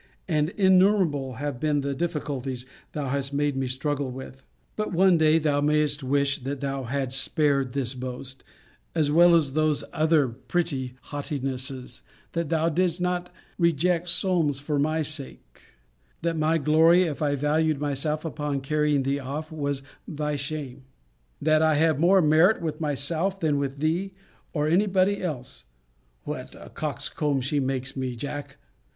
And innumerable have been the difficulties thou hast made me struggle with. But one day thou mayest wish, that thou hadst spared this boast; as well as those other pretty haughtinesses, 'That thou didst not reject Solmes for my sake: that my glory, if I valued myself upon carrying thee off, was thy shame: that I have more merit with myself than with thee, or any body else: [what a coxcomb she makes me, Jack!